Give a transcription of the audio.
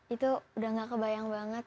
itu udah gak kebayang banget